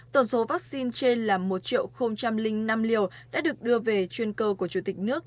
tổn số vaccine trên là một năm triệu liều đã được đưa về chuyên cơ của chủ tịch nước